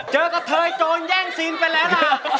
เจอกับเธอยโจรแย่งสินไปแล้วหล่ะ